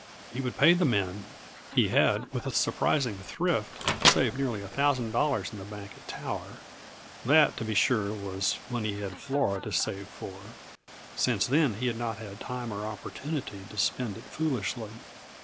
He would pay the men; he had, with a surprising thrift, saved nearly a thousand dollars in the bank at Tower. That, to be sure, was when he had Flora to save for; since then he had not had time or opportunity to spend it foolishly.